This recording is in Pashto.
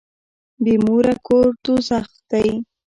بي موره کور دوږخ دی.